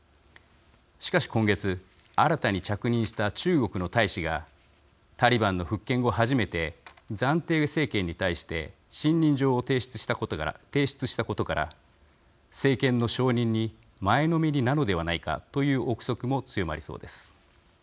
しかし、今月、新たに着任した中国の大使がタリバンの復権後初めて、暫定政権に対して信任状を提出したことから政権の承認に前のめりなのではないかという臆測も強まりそうです。